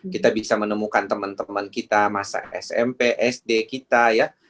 kita bisa menemukan teman teman kita masa smp sd kita ya